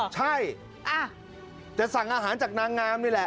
ใช่จะสั่งอาหารจากนางงามนี่แหละ